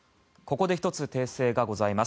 ここで１つ訂正がございます。